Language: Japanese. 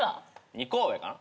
２個上かな。